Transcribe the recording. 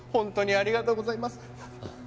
ありがとうございます。